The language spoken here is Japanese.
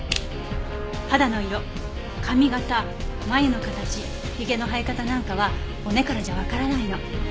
肌の色髪形眉の形髭の生え方なんかは骨からじゃわからないの。